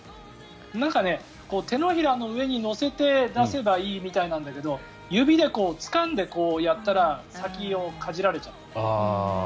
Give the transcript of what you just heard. なんか手のひらの上に乗せて出せばいいみたいなんだけど指でつかんで、こうやったら先をかじられちゃった。